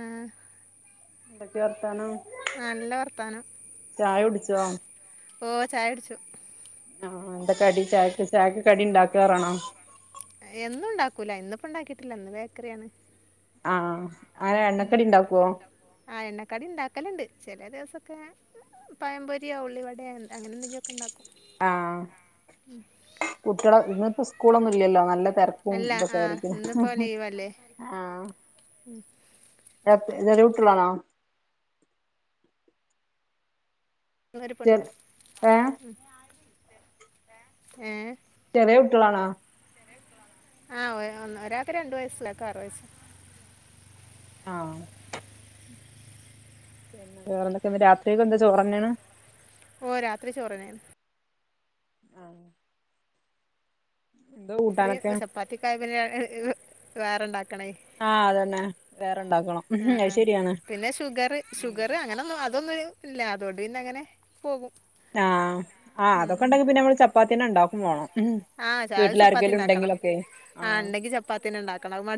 ആഹ് എന്തൊക്കെ വർത്താനോം നല്ല വർത്താനം കുടിച്ചോ ആ ഓ ചായ കുടിച്ചു ആ എന്ത കടി ചയക്ക് ചയക്ക് കടി ഉണ്ടാക്കാറാണോ ക്കൂല ഇന്നിപ്പോ ഉണ്ടാക്കിയിട്ടില്ല ഇന്ന് ബേക്കറിയാണ് ആ ആ എണ്ണക്കടി ഇണ്ടാക്കല്ണ്ട് ചില ദിവസൊക്ക പഴമ്പൊരിയൊ ഉള്ളിവടെ അങ്ങനെ എന്തങ്കി ഒക്കെ ഉണ്ടാ ആ കുട്ട്യള ഇന്ന് ഇപ്പ സ് കൂളൊന്നും ഇല്ലല്ലോ നല്ല തിരക്കും അല്ല ആ ഇതൊക്കെ ഇന്നിപ്പോൾ ലീവല്ലേ ആ [unintelligible] ചെറിയ കുട്ടിള്ളാണോ ഒരു പെണ്ണും ഏഹ് ഉം ഏ ചെറിയ കുട്ടിളാണോ ആ ഒ ഒരാൾക്ക് രണ്ടു വയസ്സിലക്കെ ആറു വയസ്സ് ആ പിന്നെ വേറെ എന്തക്കെ ഇന്ന് രാത്രിയേക്കന്ത ചോറന്നാണ് ഓ രാത്രി ചോറന്നാണ് ആ രാത്രി ചപ്പാത്തിക്കായ് പിന്നെ [unintelligible] വേറെണ്ടാ ആഹ് അതന്നെ വേറെണ്ടാക്കണം ആ ആ പിന്നെ ഷുഗറ് ഉം ഷുഗറ് അങ്ങനൊന്നും അതൊന്നും ഇല്ല അതോണ്ട് പിന്ന അങ്ങനെ പോകും ആഹ് ഉം. ആഹ് അതൊക്ക. ഉണ്ടെങ്കി പിന്നെ നമ്മള് ചപ്പാത്തിന്നെ ഇണ്ടാക്കും വേണം ആഹ് ച അത് ചപ്പാത്തി വീട്ടിലാർക്കെലും ഉണ്ടാക്കണം ഇണ്ടെങ്കിലൊക്കെ ആഹ്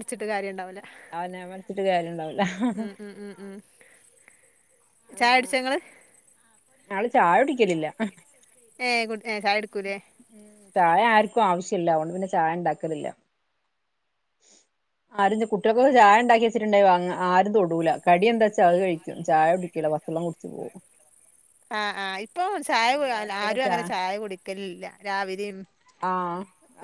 [unintelligible] കാര്യ ഇണ്ടാവില്ല അവനെ [unintelligible] ഒരു കാര്യംണ്ടാവൂലാ ഉം ഉം ഉം ഉം ചായ കുടിച്ച ങ്ങള് ഞങ്ങള് ചായ കുടിക്കലില്ല ഏഹ് ഏഹ് ചായ കുടിക്കൂലേ ഉം ചായ ആർക്കും ആവശ്യം ഇല്ല അതുകൊണ്ട് പിന്നെ ചായ ഉണ്ടാക്കലില്ല ആരും [unintelligible] കുട്ടികക്കൊക്ക ചായ ഉണ്ടാക്കി വെച്ചിട്ടുണ്ടായി വന്ന് ആരും തൊടൂല കടി എന്താ വെച്ചാ അത് കഴി ചായ കുടിക്കൂല പച്ചെള്ളം കുടിച്ചു പോകും ആഹ് ആഹ് ഇപ്പൊ ചായ കു ആരും അങ്ങനെ [unintelligible] ചായ കുടിക്കലില്ല രാവിലെയും ആ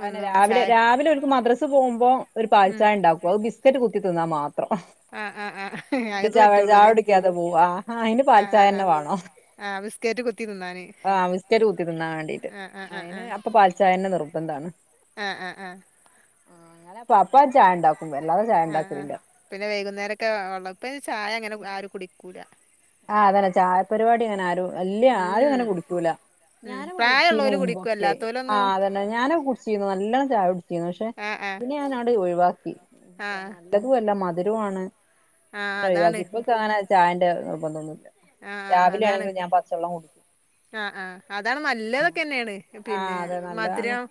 ആനെ ഒന്നും രാവിലെ ചായ രാവിലെ അവര്ക്ക് മദ്രസ പോകുമ്പോ ഒരു ഉം പാൽചായ ഇണ്ടാക്കും അത് ബിസ്കറ്റ് കുത്തി തിന്നാ മാ [unintelligible] ആഹ് ആഹ് ആഹ് എന്നിട്ട് [unintelligible] അത് പറ്റുള്ളൂല്ലേ ചായകുടിക്കാതെ പോവാ ആ അയിന് ആഹ് ആഹ് പാൽച്ചായ തന്നെ ആഹ് വേണോ ആഹ് ബിസ്കറ്റ് കുത്തി തിന്നാന് ആഹ് വിസ്കറ്റ് കൂത്തി തിന്നാൻ വേണ്ടീട്ട് ആഹ് ആഹ് ആഹ് അയിന് ആഹ് അപ്പൊ പാൽച്ചായന്നാ നിർബദ്ധ ആണ്. ആഹ് ആഹ് ആഹ് ആഹ് അങ്ങനെ പപ്പാ ചായ ഇണ്ടാ ആ ആ പിന്നെ വൈകുന്നേരം ഒക്കെ ഉള്ള ഇപ്പ ചായ ഇങ്ങനെ ആരും കുടിക്കൂ [unintelligible] ആഹ് അതാല്ലെ ചായ പരിപാടി അങ്ങനെ ആരോ വല്ല്യ ആരും ഉം അങ്ങനെ കുടിക്കൂല ഉം പ്രായള്ളോല് കുടിക്കും ആ അല്ലാത്തോലൊന്നും അതന്നെ ഞാനും കുടിച്ചിരുന്നു. നല്ലവണ്ണം ചായ കുടിച്ചിരുന്നു പക്ഷെ ആഹ് ആഹ് പിന്നെ ഞാൻങ്ങാണ്ട് ഒഴുവാക്കി ആഹ് നല്ലതും അല്ല മ ആഹ് [unintelligible] [unintelligible] അതാണ് ഇപ്പൊ കാണാ ചായന്റ [unintelligible] ആഹ് രാവിലെ അതാണ് ആണെങ്കിൽ ഞാൻ പച്ചവെള്ളം കുടിക്കും. ആഹ് ആഹ് അതാണ് ഉം നല്ലതൊക്കെന്നേണ് ആ പിന്നെ അതെ നല്ലതാണ് മധുരം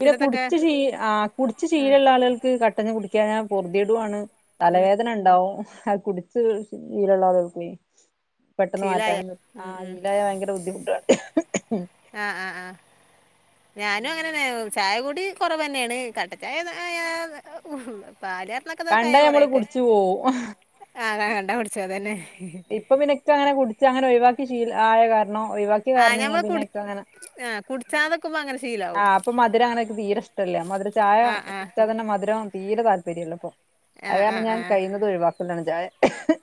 പിന്നെ കുടിച്ച് ശീ ആ കുടിച്ചു ശീലള്ള ആളുകൾക്ക് കട്ടനും കുടിക്കാനാ [unintelligible] ആണ് തലവേദന ഇണ്ടാവും. അത് കുടിച്ച് ശീലള്ള ആള്കൾക്ക് [unintelligible] പെട്ടെന്ന് ശീലായ മാറ്റാനും ആ ഉം ശീലായ ഭയങ്കര ബുദ്ധിമുട്ടാണ്. ആഹ ആഹ് ആഹ ഞാനും അങ്ങനെ ചായ കൂടി കുറവ് തന്നെയാണ് കട്ടചായ പാചായിരന്നൊക്കെതൊക്ക കണ്ടാ ആയി ഞമ്മള് കൊറൊക്കെ കുടിച്ചു പോവും ആഹങ്ങ കണ്ടാ പിടിച്ച അതന്നെ. ഇപ്പൊ പിന്നെ ഇക്ക് അങ്ങനെ കുടിച്ച് അങ്ങനെ ഒഴിവാക്കി ശീല ആയ കാരണം ഒഴിവാക്ക ആഹ് കാര ഞാൻ ഞമ്മള് കുടി പിന്നനെ ആഹ് കുടിച്ചാതക്കുമ്പോ അങ്ങനെ ശീലാവും ആ് അപ്പ മധുരംങ്ങനൊക്കെ തീരെ ഇഷ്ടമല്ല മധുര ചായ ആഹ് ആഹ് കുടിച്ചാൽ തന്നെ മധുരം തീരെ താല്പര്യമില്ല അപ്പ അതാണ് ഞാൻ കഴിയുന്നത് ഒഴിവാക്ക കൊല്ലാണ് ജായ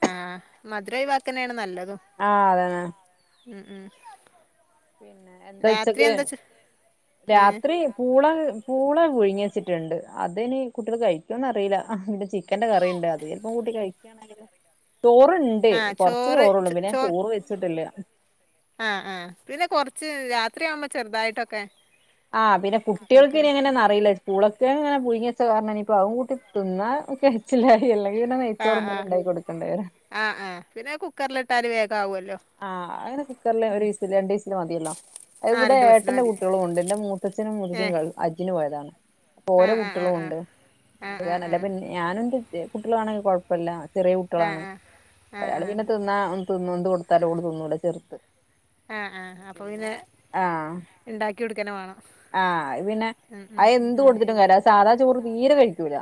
ആഹ മധുരൈവാക്കന്നെയാണ് നല്ലതും ആഹ അതന്നെ മം് ഉം പിന്നെ എന്താ രാത്രി വച്ചക്ക് എന്താ ചോ ഏഹ് രാത്രി പൂള കൂള പുഴുങ്ങി വച്ചിട്ടുണ്ട് അതിനി കുട്ടികള് കഴിക്കോന്ന് അറിയില്ല. ഇ ചിക്കന്റെ കറിയുണ്ട് അത് ചപ്പം കൂട്ടി കഴിക്കുകയാണെങ്കേ. ചോറുണ്ട് ആഹ് കൊറച്ച് ചോറ് ചോറള്ളൂ പിന്നെ ഞൻ ചോ ചോറ് വെച്ചിട്ടില്ല ആഹ് ആഹ പിന്നെ കൊറച്ച് രാത്രിയാവുമ്പോ ചെറുതായിട്ടൊക്കെ ആഹ് പിന്നെ കുട്ടികൾക്ക് കഴിക്കല് ഇനി അങ്ങനെയന്ന അറിയില്ല സ്കൂളൊക്കെ അങ്ങനെ പോയി ഇച്ച കാരണം ഇപ്പ അവ കൂട്ടി തിന്നാ കച്ചിലായി എല്ല പിന്നെ ആഹ് നെയച്ചോറന്ന ആഹ് ഉണ്ടായി കൊടുക്കേണ്ടവര് തലവേ ആഹ് അങ്ങനെ കുക്കറില് ഒരു രണ്ടീസില് മതിയല്ലോ ആഹ് ഇവിടെ രണ്ട് വിസില് ഏട്ടന്റെ മതി കുട്ടികളും ഉണ്ട് എന്റെ മൂത്തച്ഛനും മുത്തച്ചും ഏഹ് അജിനും പോയതാണ് അപ്പൊ ഓരോ ആഹ് ആഹ് കുട്ടികളും ഉണ്ട് ആഹ് അത് ആഹ് കാരല്ല അപ്പ ആഹ് ഞാന് എന്റെ കുട്ടികളാണെങ്കിൽ കുഴപ്പമല്ല ചെറിയ ആഹ് കുട്ടികളാണ് ആഹ് ആഹ് ആഹ് ആഹ് അയാൾ പിന്നെ ആഹ് തിന്നാ തിന്നോണ്ടുന്ന് താനൊള്ളു തിന്നുല ചെറുത്ത് ആഹ് ആ അപ്പൊ പിന്നെ ആഹ് ഉണ്ടാക്കിടു കന്നവണോ ആഹ് പിന്നെ അത് എന്ത് ഉം കൊടുത്തിട്ടും കാര് സാധാച്ചോ ചോറു തീരെ കഴിക്കൂല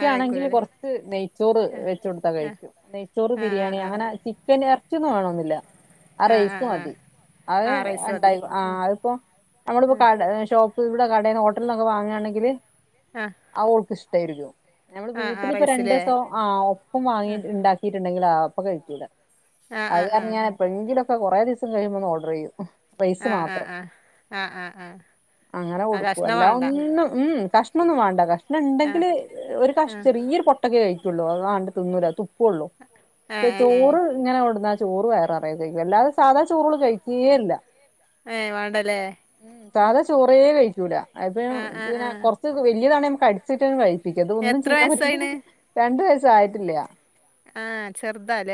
ആഹ് കഴിക്കൂലല്ലേ കൊറച്ച് നെയ്ച്ചോറ് വെച്ച് കൊടുത്താൽ ആഹ് കഴിക്കും നെയ്ച്ചോറ് ആഹ് ആഹ് ബിരിയാണി ആഹ് അങ്ങനെ ചിക്കൻ ഇറച്ചിയൊന്നും വേണമെന്നില്ല ആ ആഹ് റൈസും ആഹ് മതി അത് ആഹ് ആഹ് റൈസ് മതി ഉണ്ടായി ആ ആഹ് അതിപ്പോ നമ്മുടെ കട ഷോപ്പ് ഇവിടെ കടഓട് പെട്ടന്നൊക്കെ വാങ്ങുവാണങ്കില് ആഹ് അവ ഓൾക്ക് ഇഷ്ടായിരിക്കും ഞമ്മൾ ആഹ് ആഹ് വീട്ടിലിപ്പം രണ്ട് റൈസിലേ ദിസം ആ ഒപ്പം വാങ്ങി ഉണ്ടാക്കിയിട്ടുണ്ട് ഉണ്ടെങ്കിൽ ആ അപ്പം കഴിക്കൂല ആഹ് അത് കാരണം ആഹ് ഞാൻ എപ്പോഴ് എങ്കിലും ഇപ്പോ കുറേ ദിവസം കഴിയുമ്പോ ഒന്ന് ഓർഡർ ചെയ്യും റൈസ് ആഹ് ആഹ് മാത്രം ആഹ് ആഹ് ആഹ് ആഹ് അങ്ങനെ ആഹ് ആഹ് കൊടുക്കൂ കഷ്ണം അല്ലാതെ വേണ്ട ഒന്നും ഉം കഷ കഷ്ണം ഒന്നും വേണ്ട കഷ് പിന്ന ഉണ്ടെങ്കിൽ ആഹ് ഒരു കഷം ആഹ് ചെറിയൊരു പൊട്ടക്ക കഴി തൊന്നൂ അല്ലാടെ തിന്നുല തു പൊള്ളൂ ഏഹ് ദേ ഏഹ് ഏഹ് ചോറ് ഇങ്ങനെകൊണ്ടുവന്ന ചോറ് വയറു നിറയെ കഴിക്കും അല്ലാതെ സാധാ ചോറുകള് കഴിക്കുകേ ഇല്ല ഏഹ് വേണ്ടല്ലേ സാധാ ചോറേ കഴിക്കുല അപ്പം ആഹ് ആഹ് പിന്നെ ആഹ് കുറച്ച് വലിയതാണേൽ കടിച്ചിട്ടന്ന് വായി മിക്കതും ഒന്നും എത്ര ചെയ്യാൻ പറ്റില്ല വയസ്സായിണ് രണ്ട് ഏഹ് ആയിട്ടില്ല ആഹ് ചെറുതാല്ലേ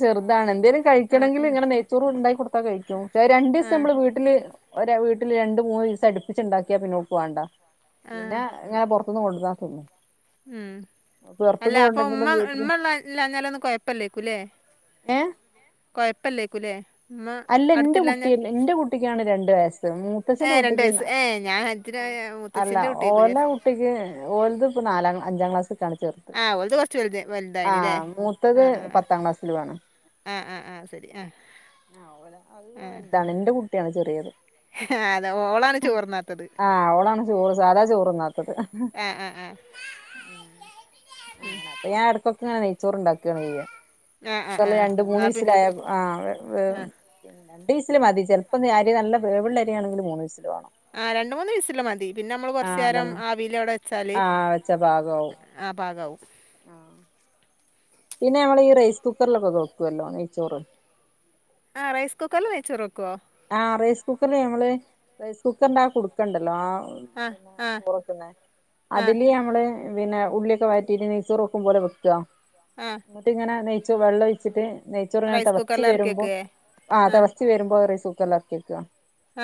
ചെറുതാണെൻ എന്തേലും ആഹ് കഴിക്കണെങ്കിലിങ്ങെനെ നൈ ചോറുണ്ടാക്ക് കൊടു പ്പ കഴിച്ചൊ ആഹ് രണ്ടീസം ആഹ് മ്മള് വീട്ടില് ഒര വീട്ട് രണ്ട് മൂന്നീസട്പ്പിച്ചുണ്ടാക്കിയ പിന്നെ ഓക്ക് വാണ്ടാ പിന്നെ ആഹ് ഇങ്ങനെ പൊറ്ത്ത്ന്നു കൊണ്ടര് രാക്കുന്ന ഉം അല്ല അപ്പൊ ഉമ്മ കൊണ്ടെരുന്നതും വീട്ടില് ഉമ്മള്ളല്ലഞ്ഞാലൊന്നും കൊഴപ്പല്ലേക്കൂല്ലേ ഏഹ കൊഴപ്പല്ലേക്കുലേ അല്ല ഇന്റക്കുട്ട്യല് ഇന്റകുട്ടിക്കാണ് രണ്ട് ട് വയസ് ഏ മൂത്തച്ഛൻറെ രണ്ട് കുട്ടിക്ക് വയസ്സ് ഏ ഞാൻ ഇതിന് അല്ല മുത്തച്ഛിന്റെ കുട്ടിയേക്കും ഓല വിചാരിച്ച് കുട്ടിക്ക് ഓല്ത് ഇപ്പ നാലാം അഞ്ചാം ക്ലാസ്ക്കാണ് ചേർത് ആ ഓലത് കൊറച്ച് വലുത് വലുതായിണ്ല്ലേ ആഹ് മൂത്തത് ആ പത്താം ക്ലാസില്യോണ് ആ ആ ആ ആ ആ ശരി ആ ആ വലുതാണ് ഇന്റെ കുട്ട ട്ട്യാണ് ചെറ്യേ ത് ആ, അതെ ഓളാണ് ചോറ്ന്നാത്തത് ആഹ അവളാണ് ചോറ് സാധാ ചോറ്ന്നാത്തത് ഹ് ആ ആ ആ ഹ് അങ്ങനെ അപ്പൊ ഞാ എട്ക്കൊക്കെങ്ങന നെയ്ചോ ചോറ് ഉണ്ടാക്കാണൊ ചെയ്യ ആ ആ ആ ഇതല്ല രണ്ട് മൂന്ന് എന്നാ പി വിസിലായ ആഹ് ആ ഉം രണ്ട് വിസില് മതി ചെലപ്പന്ന് അരി നല്ല വേവുള്ള അരിയാണെങ്കി മൂന്ന് വിസില് വാണം ആ രണ്ട് മൂന്ന് വിസില്മതി പിന്നെ മ്മള് ആഹ് കൊറ്ചേരം അതന്നെ ആവീല് അടെ വെച്ചാല് ആഹ് വെച്ച പാകാവും ആ പാകാവും ആഹ് പിന്നെ ഞമ്മള് ഈ റൈസ് കുക്കറിലൊക്കെ കൊക്കൊല്ലോ നെയ്ച്ചോറ് ആഹ് റൈസ് കുക്കർല് വൈചോറെക്കൊ ആഹ റൈസ് കുക്കർല് ഞമ്മള് റൈസ് കുക്കറിന്ത ആ കുടുക്കണ്ടല്ലോ ആഹ് ആ പിന്നെ ആ ചോറക്കുന്നെ ആ അതില് നമ്മള് പിന്നെ ഉള്ള്യക്കെ വയറ്റിട്ട് നെയ് സോ റെക്കും പോലെ വെക്കൊ ആ എന്നിട്ട് ഇങ്ങനെ നൈ ച്ച്‌ വള്ളൊയ്ച്ചിട്ട്‌ നെയ്ച്ചോറ് ഞ റൈസ് തളച്ചു കുക്കറിൽ എറക്കി വരുമ്പോ വെക്കേ ആഹ് ആ തളച്ച് വരുമ്പോ റൈസ് കു ർലർക്ക്യക്ക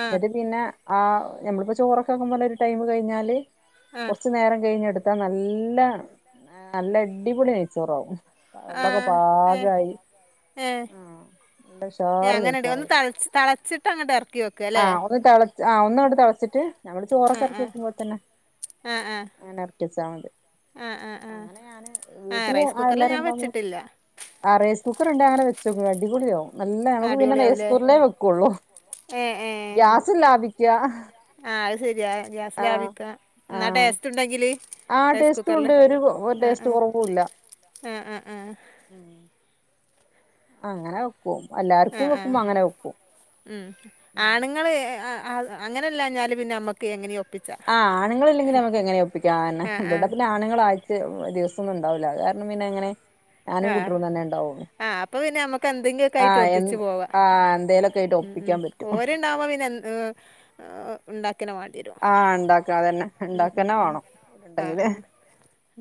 ആ അത് പിന്ന ആ നമ്മളിപ്പോ ചോറൊക്കെ വെക്കും പോലെ ഒരു ടൈം കഴിഞ്ഞാല് ആ കുറച്ചു നേരം കഴിഞ്ഞ എടു ഇതാ നല്ല നല്ല അടിപൊളി നെയ്ച്ചോറാവും ആ വെള്ളമൊക്കെ ഏ പാകമായി ഏ മ് നല്ല ഏ ഉഷാർ അങ്ങനെണ്ട് നെയ്‌ച്ചോറ് ഒന്ന് ആയി തളച്ച് [unintelligible] ല്ലേ ആഹ് ഒന്ന് തള ആ ഒന്നും അങ്ങട് തെളച്ചിട്ട് നമ്മൾ ആ ചോറൊക്കെ ഇറക്കി ആ വക്കുമ്പോലെ ത്തന്നെ ആ ആ അങ്ങനെ ഇറ [unintelligible] എക്സാമുണ്ട് ആ ആ ആ അങ്ങനെ ഞാന് വീട്ടില് റൈസ് ആ കുക്കറിൽ ഞാൻ എല്ലാരുംണ്ടാവും വെച്ചിട്ടില്ല ആ റൈസ് കുക്കറുണ്ട് അങ്ങെനെ വെച്ചോക്ക് അടിപൊളിയാവും നല്ല നമുക്ക് പിന്നെ നേസ് അടിപൊളിയാവുല്ലേ കുക്കറിലെ വെക്കുള്ളൂ ഗ്യാസ് ഇല്ല സ്താപിക്കുക ആഹ് അത് ശരിയാ ഗ്യാസ് ലാഭിക്ക എന്നാ ആഹ് ടേസ്റ്റ് ഉണ്ടെങ്കില് ആ ടേസ്റ്റ് ഉണ്ട് ഒരു ഒരു ടേസ്റ്റ് കുറവുല്ല ആ ആ ആ മ് അങ്ങനെ [unintelligible] ആ എല്ലാർക്കും ആ വെക്കുമ്പോ അങ്ങനെ വെക്കും മ് ആ അങ്ങനെല്ലാഞ്ഞാല് പിന്നെ നമ്മക്ക് എങ്ങനെയൊ ആഹ് ആണുളില്ലെങ്കിൽ നമുക്ക് എങ്ങനെയും ഒപ്പിക്കാം അതന്നെ ആ ആ ഇവിടെ പിന്നെ ആണുങ്ങൾ ആഴ്ചയിൽ ദിവസ ന്നും ഉണ്ടാവില്ല കാരണം പിന്നെ എങ്ങനെ ആഹ് ആ അപ്പൊ പിന്നെ നമ്മുക്ക് എന്തെങ്കിലുമൊക്കെ ആയിട്ട് ആഹ് എ ഒപ്പിച്ച് പോവാ ആഹ് എന്തേലൊക്കെ ആയിട്ട് മ് മ് ഒപ്പിക്കാൻ പറ്റും ഓര്ണ്ടാവ്പോ പിന്നെ എ മ് ആ ഉണ്ടാ ചിക്കന് വേണ്ടി വരും ആഹ് ഉണ്ടാക്ക അതന്നെ മ് ഉണ്ടാക്കന്നെ മ് വേണം ഓല് ആ ഉണ്ടെങ്കില് ആ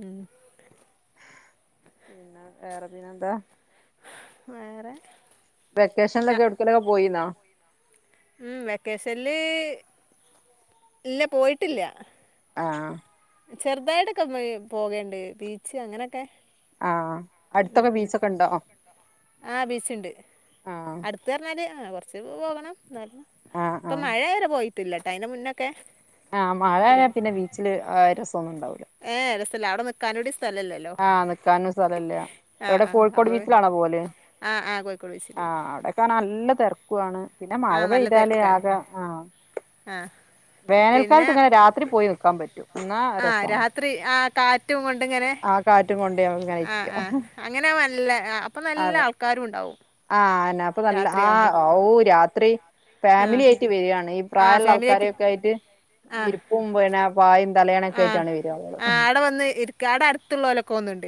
മ് പിന്നെ വേറെ പിന്നെ എന്താ വേറെ ന വെക്കേഷനിലൊക്കെ എവിടുക്കലൊക്കെ പോയിനാ ഉം വെക്കേഷനിൽ ഇല്ല പോയിട്ടില്ല ആഹ് ആ ചെറുതായിട്ടൊക്കെ പോയി പോകേണ്ട് ബീച്ച് അങ്ങനെക്കെ ആഹ് അടുത്തൊക്കെ ബീച്ചൊക്കെ ഉണ്ടോ ആഹ് ബീച്ചുണ്ട് ആഹ് അടുത്ത് പറഞ്ഞാല് ആ കുറചെക്കെ പോകണം ല്ല ആഹ് ഇപ്പൊ മഴ വരെ പോയി ല്ല ടൈന മുന്നൊക്കെ ആഹ മഴ പോയിന് പിന്നെ വീട്ടില് രസമൊന്നും ഉണ്ടാവില്ല ഔട നിക്കാനും കുടി ആഹ നിക്കാനും സ്ഥലല്ല ആഹ് എവിടെ ആഹ് കോഴിക്കോട് അപ്പൊ ബീച്ചിലാണോ പോല് ആഹ് ആഹ് കോഴിക്കോട് ബീച്ചില് ആഹ അവിടെക്കെ നല്ല തിരക്കും ക്കുകാണ് പിന്നെ മഴ ആഹ് നല്ല പെയ്താലേ തിരക്കാണ് ആക ആഹ ആഹ് വേനൽക്കാലത്ത് ഇങ്ങനെ രാത്രി പോയി നിൽക്കാൻ പറ്റൂ ആ രാത്രി ആ കാറ്റും കൊണ്ടിങ്ങനെ ആ കാറ്റും കൊണ്ട് ഞമ്മക്കിങ്ങനെ ആഹ ഇരിക്ക ആഹ അങ്ങനെ നല്ല അപ്പൊ നല്ല അതെ ആൾക്കാാരും ഉണ്ടാവും ആഹ് അന്നെ അപ്പൊ നല്ല ആ രാത്രിയാവുമ്പോ ആവു രാത്രി ആഹ് ഫാമിലി ആയിട്ട് വരികയാണ് ഈ ആഹ് പ്രായമുള്ള ആൾക്കാര് ഫാമിലിയായിട്ട് ായിട്ട് ആഹ് വിരിപ്പും പിന്നെ പായും തലയാണൊക്കെ ആഹ് ആയിട്ടാണ് വരകള് ഒന്നുണ്ട്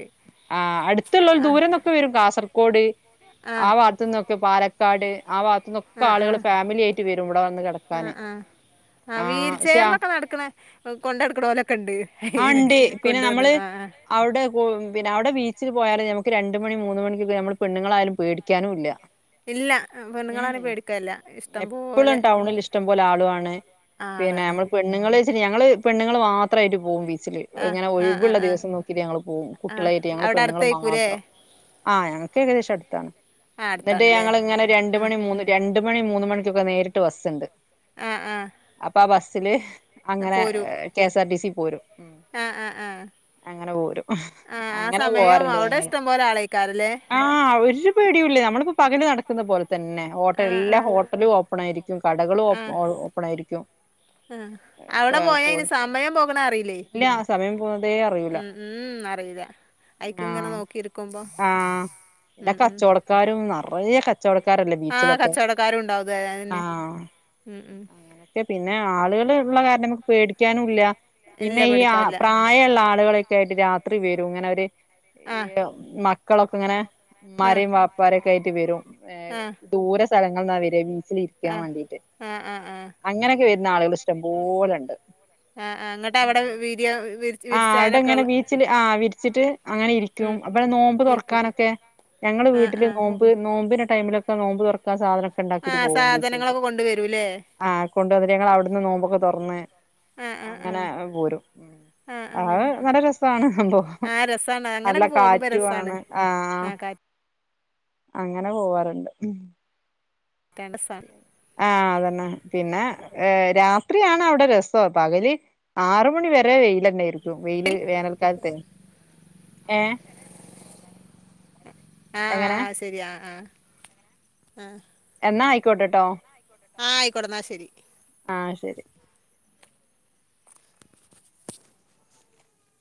ആ അടുത്തുള്ള ഒരു ദൂരംന്നൊക്കെ വരും കാസർഗോഡ് കോട് ആ ആഹ് വാത്തൊന്നും പാലക്കാട് ആവാ ആ ആ ആ കിടക്കാന് ആ ആ ആഹ് പക്ഷെ വീൽചെയറിലൊക്കെ നടക്കണ കൊണ്ടടക്ക്ണോലക്കണ്ട് ആ ഉണ്ട് പിന്നെ കൊണ്ടുവന്ന്ണ് നമ്മള് ആ ആ അവിടെ പിന്നെ അവിടെ ബീച്ചിൽ പോയാലും നമക്ക് രണ്ട് മണി മൂന്ന് മണിക്കൊക്കെ നമ്മൾ പെണ്ണങ്ങളായാലും പേടിക്കാനും ഇല്ല. ഇല്ല ഉം പെണ്ണുങ്ങളാണെ ഉം പേടിക്കല്ല ഇഷ്ടം എപ്പളും പോലെ ടൗണിൽ ഇഷ്ടം പോലെ ആളുആണ് ആ പിന്നെ ആളാണ് നമ്മൾ പെണ്ണുങ്ങള് ശരി ഞങ്ങള് പെണ്ണുങ്ങൾ മാത്രായിട്ട് പോകും ബീ ച്ചില് ആ ഇങ്ങനെ ആ ആ ഒഴിവുള്ള ആ ദിവസം നോകിയിട്ട് ഞങ്ങള് പോകും ആ കുട്ടികളായിട്ട് ഞങ്ങള് അവിടെ പെണ്ണുങ്ങള് അടുത്തായിരിക്കൂല്ലേ മാത്രം. ആ ഞൾക്ക് ഏകദേശം അടുത്താണ്. ആ ന്നട്ട് അടുത്താണല്ലേ ഞങ്ങള് ഇങ്ങനെ രണ്ട് മണി മൂന്ന് രണ്ട് രണ്ട് മണി മൂന്ന് മണിക്കൊക്കെ നേരിട്ട് ബസ്സ്ണ്ട്. ആ ആ സില് അങ്ങനെ പോരൂ കെഎസ്ആർ ടി സി പോരും. ഉം ആ ആ ആ അങ്ങനെ പോരും. ആ ആ അങ്ങനെ സമയം പോവാറുണ്ട് അവിടെ ഞങ്ങള് ഇസ്ടം പോലെ ആളേക്കാരലേ ഒര് പേടിയൂല്ല നമ്മളിപ്പോ പകല് നടക്ക്ന്ന പോ തന്നെ ഹോട്ടല് ആ ആ എല്ലാ ഹോട്ടലും ഓപ്പൺ ആയിരി ക്കും കടകളും ആ ഓ ഓപ്പണായിരിക്കും ആ അവിടെ പോയാ അയിന് സമയം പോക്ണ അറിയിലേ ഇല്ല ഉം മ്മ് ആ ആ പിന്നെ ഉം ഉം കച്ചോടക്കാരും നെറയേ കച്ചവടക്കാരല്ലേ ആ ബീച്ചിലൊക്കെ കച്ചവടക്കാരും ഉണ്ടാവും അത് ആ തന്നെ ഉം ഉം അങ്ങനൊക്കെ പി പിന്നെ ആളുകൾ ഉള്ള കാരണം നമുക്ക് പേടിക്കാനുല്ല. ഇല്ല പിന്നെ ഈ ആ പേടിക്കാനില്ല പ്രായള്ള ആള്കളെ യായിട്ട് രാ ത്രി വരും ഇങ്ങനെ അവര് ആ ഈ മ ക്കളക്കെ ഇങ്ങനെ ആ ഇമ്മാരിം വാപ്പാരെ ക്കെയിറ്റ് വരും. ഏ ആ ദൂര സ് സ്ഥലങ്ങൾന്നാ വരാ ബി ച്ചിലിരിക്കാൻ ആഹ് വേണ്ടീട്ട് ആഹ് ആഹ് ആഹ് അങ്ങനക്കെ വ ന്ന ആള്കൾ ഇഷ്ടംപോലെണ്ട് ആ ആ ഇങ്ങട്ടവടെ വിരിയോ വിരിച്ചാനൊക്കെള് ച്ച്ല് ആ വിരിച്ചിട്ട് അങ്ങനെ ഇരിക്കും അപ്പ നോമ്പ് ഇരിക്കും തൊറക്കാനൊക്കെ ഞങ്ങള് ആഹ് വീട്ടില് ആഹ് നോമ്പ് നോമ്പിന് ഈ ടൈമിലൊക്കെ നോമ്പ് തൊറക്കാ സാധന ആ സാധനങ്ങളൊക്കെ കൊണ്ട് വരൂല്ലേ കൊണ്ട് വന്നിട്ട് ഞങ്ങൾ അവ്ട്ന്ന് നോമ്പൊക്കെ തൊറന്ന് ആഹ് ആഹ് അങ്ങനെ ആഹ് പോരും മ്മ് ആഹ് ആഹ് അഹ് നല്ല രസ സാണ് സംഭവം ആഹ് രസാണ് നല്ല അങ്ങനൊക്കെ പോകുമ്പോ കാറ്റു രസാണ് ആണ് ആ ആഹ് അങ്ങനെ പോവാറ്ണ്ട് കാറ്റാണ് രസാണ് ആ അതെ ണ് പിന്നെ രാത്രിയാണ് അവിടെ രസം പകല് ആറ് മണി വരെ വെയിലേന്നെര് ക്കും വെയില് വേനൽക്കാലത്ത് ഏ ആഹ് ആ ആഹ് ശരി ആ ആഹ് ആഹ് എന്നാ ആയിക്കോട്ടെട്ടോ ആഹ് ആയിക്കോട്ടെന്നാ ശരി ആഹ് ശരി